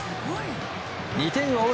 ２回を追う